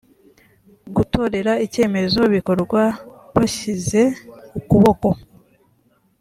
gutorera icyemezo bikorwa bashyize ukuboko